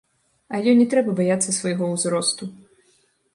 А ёй не трэба баяцца свайго ўзросту.